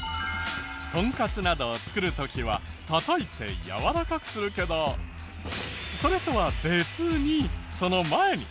トンカツなどを作る時はたたいてやわらかくするけどそれとは別にその前に。